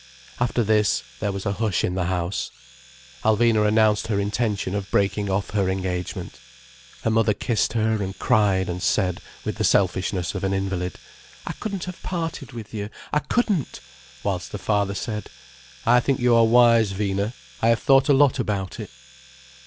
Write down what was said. After this there was a hush in the house. Alvina announced her intention of breaking off her engagement. Her mother kissed her, and cried, and said, with the selfishness of an invalid: "I couldn't have parted with you, I couldn't." Whilst the father said: "I think you are wise, Vina. I have thought a lot about it."